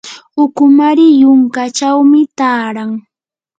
ukumari yunkachawmi taaran.